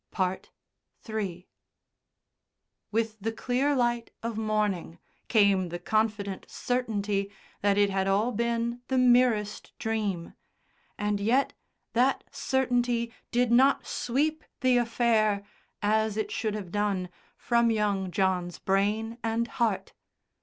III With the clear light of morning came the confident certainty that it had all been the merest dream, and yet that certainty did not sweep the affair, as it should have done, from young John's brain and heart.